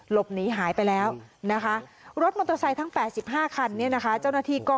หลบหนีหายไปแล้วนะคะรถมอเตอร์ไซค์ทั้ง๘๕คันเนี่ยนะคะเจ้าหน้าที่ก็